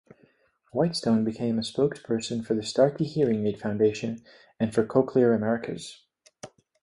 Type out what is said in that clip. Whitestone became a spokesperson for the Starkey Hearing Aid Foundation and for Cochlear America's.